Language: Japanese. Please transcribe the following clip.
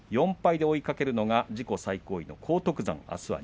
４敗で追いかけるのが自己最高位の荒篤山です。